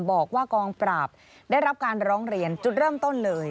บอกว่ากองปราบได้รับการร้องเรียนจุดเริ่มต้นเลย